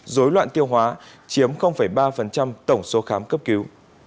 dối loạn tiêu hóa chiếm ba tổng số khám cấp cứu